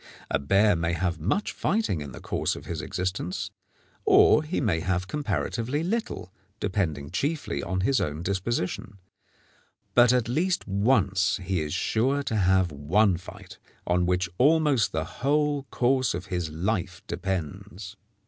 A bear may have much fighting in the course of his existence, or he may have comparatively little, depending chiefly on his own disposition; but at least once he is sure to have one fight on which almost the whole course of his life depends.